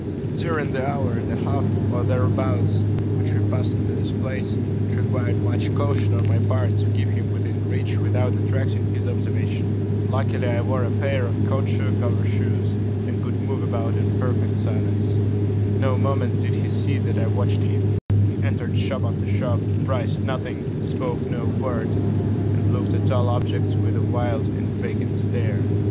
During the hour and a half, or thereabouts, which we passed in this place, it required much caution on my part to keep him within reach without attracting his observation. Luckily I wore a pair of caoutchouc over shoes, and could move about in perfect silence. At no moment did he see that I watched him. He entered shop after shop, priced nothing, spoke no word, and looked at all objects with a wild and vacant stare.